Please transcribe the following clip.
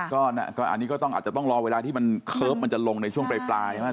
ก็อันนี้ก็ต้องอาจจะต้องรอเวลาที่มันเคิร์ฟมันจะลงในช่วงปลายใช่ไหม